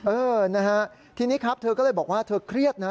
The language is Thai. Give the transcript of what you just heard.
เออนะฮะทีนี้ครับเธอก็เลยบอกว่าเธอเครียดนะ